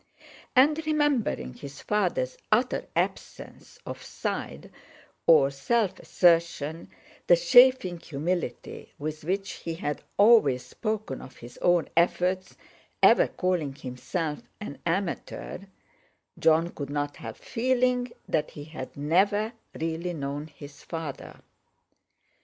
And, remembering his father's utter absence of "side" or self assertion, the chaffing humility with which he had always spoken of his own efforts, ever calling himself "an amateur," Jon could not help feeling that he had never really known his father.